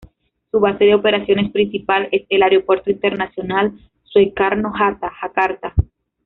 Su base de operaciones principal es el Aeropuerto Internacional Soekarno-Hatta, Jakarta.